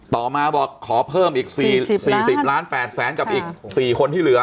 ต่อมาบอกขอเพิ่มอีก๔๐ล้าน๘แสนกับอีก๔คนที่เหลือ